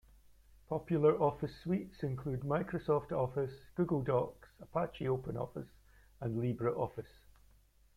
Popular office suites include Microsoft Office, Google Docs, Apache OpenOffice, and LibreOffice.